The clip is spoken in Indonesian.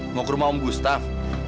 mau ke rumah om gustaf